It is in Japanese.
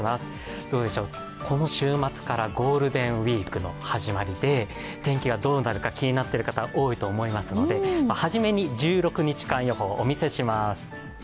この週末からゴールデンウイークの始まりで、天気がどうなるか気になっている方、多いと思いますので初めに１６日間予報、お見せします。